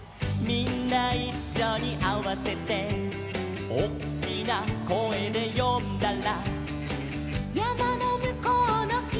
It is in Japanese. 「みんないっしょにあわせて」「おっきな声で呼んだら」